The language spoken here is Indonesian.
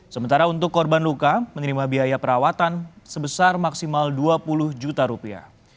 sementara untuk korban luka menerima biaya perawatan sebesar maksimal dua puluh juta rupiah